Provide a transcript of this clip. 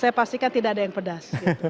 saya pastikan tidak ada yang pedas